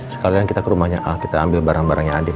sekalian kita ke rumahnya al kita ambil barang barangnya adem